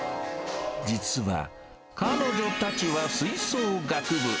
実は、彼女たちは吹奏楽部。